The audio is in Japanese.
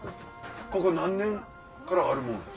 ここ何年からある？